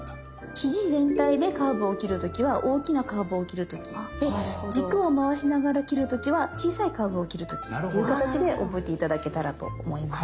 肘全体でカーブを切る時は大きなカーブを切る時で軸を回しながら切る時は小さいカーブを切る時っていう形で覚えて頂けたらと思います。